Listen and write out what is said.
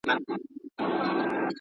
د هغو خلکو په وړاندي دليل دی.